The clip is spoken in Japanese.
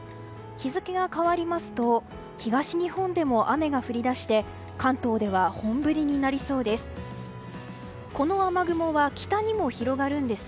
日付が変わりますと東日本でも雨が降り出して関東では本降りになりそうです。